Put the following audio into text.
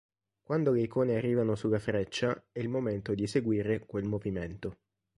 Quando le icone arrivano sulla freccia, è il momento di eseguire quel movimento.